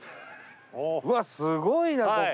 うわすごいなここ。